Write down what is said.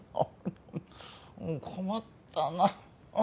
困ったな。